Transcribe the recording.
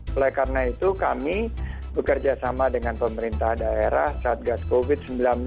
selain karena itu kami bekerjasama dengan pemerintah daerah saat gas covid sembilan belas